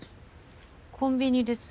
コンビニです。